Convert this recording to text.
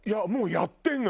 やってるの？